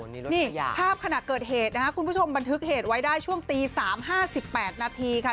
นี่ภาพขณะเกิดเหตุนะคะคุณผู้ชมบันทึกเหตุไว้ได้ช่วงตี๓๕๘นาทีค่ะ